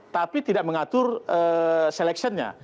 tapi tidak mengatur selectionnya